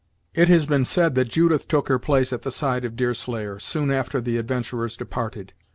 It has been said that Judith took her place at the side of Deerslayer, soon after the adventurers departed.